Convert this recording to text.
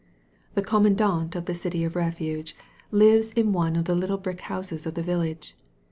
The commandant of the City of Refuge lives in one of the little brick houses of the village.